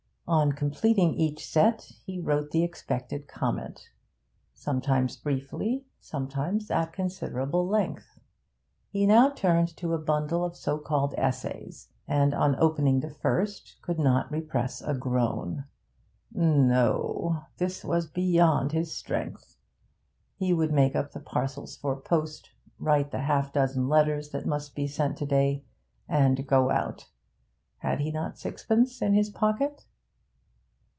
On completing each set he wrote the expected comment; sometimes briefly, sometimes at considerable length. He now turned to a bundle of so called essays, and on opening the first could not repress a groan. No! This was beyond his strength. He would make up the parcels for post, write the half dozen letters that must be sent to day, and go out. Had he not sixpence in his pocket?